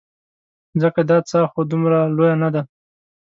ځکه دا څاه خو دومره لویه نه ده.